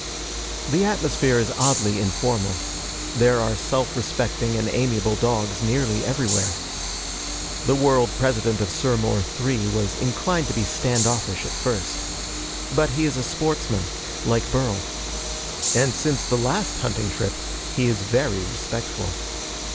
The atmosphere is oddly informal. There are self respecting and amiable dogs nearly everywhere. The World President of Surmor III was inclined to be stand offish at first. But he is a sportsman, like Burl. And since the last hunting trip, he is very respectful.